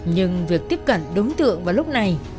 nhưng việc tiếp cận đối tượng vào lúc này